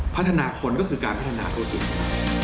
พัฒนาคนก็คือการพัฒนาธุรกิจ